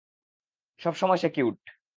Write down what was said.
সবসময় সে কিউট।